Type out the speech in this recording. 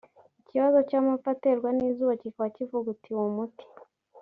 ikibazo cy’amapfa aterwa n’izuba kikaba kivugutiwe umuti